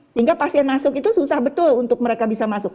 sehingga pasien masuk itu susah betul untuk mereka bisa masuk